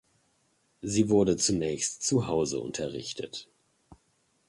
Sie wurde zunächst zu Hause unterrichtet.